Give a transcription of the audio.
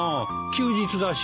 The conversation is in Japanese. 休日だし。